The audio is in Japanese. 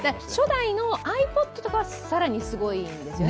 初代のｉＰａｄとかは更にすごいんですよね？